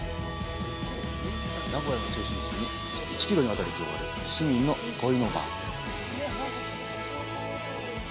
名古屋の中心地に１キロに渡り広がる市民の憩いの場。